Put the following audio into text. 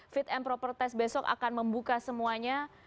fit and proper test besok akan membuka semuanya